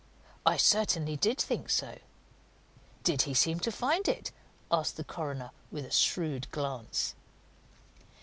"I certainly did think so." "Did he seem to find it?" asked the coroner, with a shrewd glance.